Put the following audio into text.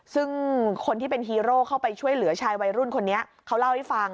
ซึ่งคนที่เป็นฮีโร่เข้าไปช่วยเหลือชายวัยรุ่นคนนี้เขาเล่าให้ฟัง